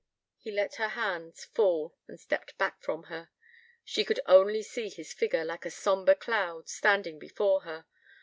He let her hands fall and stepped back from her. She could only see his figure, like a sombre cloud, standing before her.